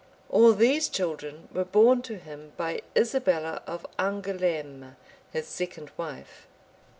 All these children were born to him by Isabella of Angouleme, his second wife.